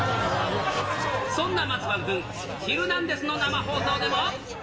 そんな松丸君、ヒルナンデス！の生放送でも。